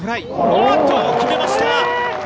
おーっと、決めました。